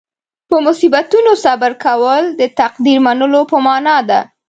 په مصیبتونو صبر کول د تقدیر منلو په معنې ده.